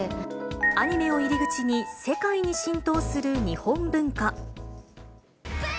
アニメを入り口に世界に浸透する日本文化。